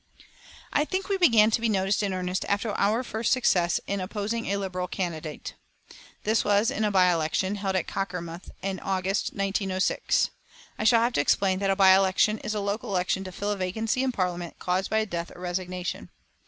I think we began to be noticed in earnest after our first success in opposing a Liberal candidate. This was in a by election held at Cockermouth in August, 1906. I shall have to explain that a by election is a local election to fill a vacancy in Parliament caused by a death or a resignation.